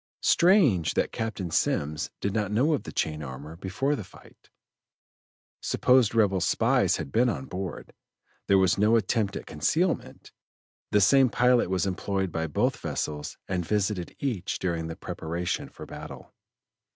Strange that Captain Semmes did not know of the chain armor before the fight; supposed rebel spies had been on board, there was no attempt at concealment; the same pilot was employed by both vessels and visited each during the preparation for battle.